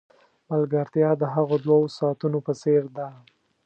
ملګرتیا د هغو دوو ساعتونو په څېر ده.